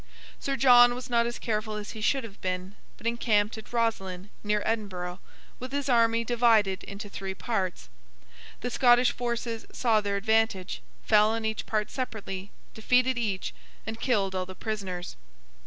Sir John was not as careful as he should have been, but encamped at Rosslyn, near Edinburgh, with his army divided into three parts. The Scottish forces saw their advantage; fell on each part separately; defeated each; and killed all the prisoners.